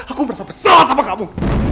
aku merasa besar sama kamu